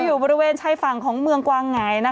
อยู่บริเวณชายฝั่งของเมืองกวางหงาย